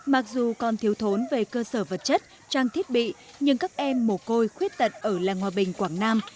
mặc dù còn thiếu thốn về cơ sở vật chất trang thiết bị nhưng các em mồ côi khuyết tật ở làng hòa bình quảng nam